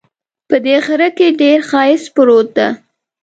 په دې غره کې ډېر ښایست پروت ده